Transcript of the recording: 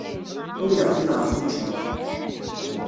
Ur yeɣfil ɣef wučči.